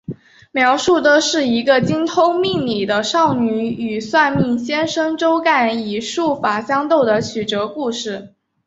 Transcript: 描述的是一个精通命理的少女与算命先生周干以术法相斗的曲折故事。